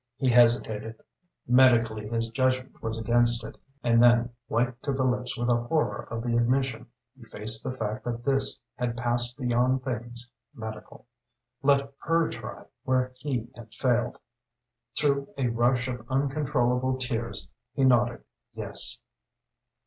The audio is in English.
He hesitated; medically his judgment was against it; and then, white to the lips with the horror of the admission he faced the fact that this had passed beyond things medical. Let her try where he had failed. Through a rush of uncontrollable tears he nodded yes.